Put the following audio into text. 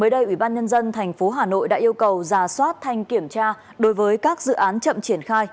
đã yêu cầu ra soát thanh kiểm tra đối với các dự án chậm triển khai